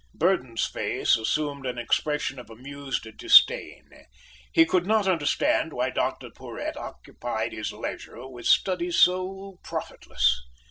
Burden's face assumed an expression of amused disdain. He could not understand why Dr Porhoët occupied his leisure with studies so profitless.